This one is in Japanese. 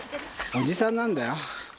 おじさんなんだよ。